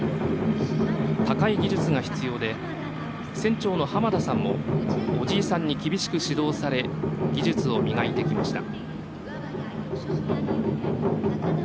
高い技術が必要で船長の濱田さんもおじいさんに厳しく指導され技術を磨いてきました。